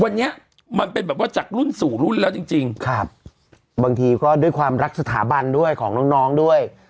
วันนี้มันเป็นแบบว่าจากรุ่นสู่รุ่นแล้วจริงจริงครับบางทีก็ด้วยความรักสถาบันด้วยของน้องน้องด้วย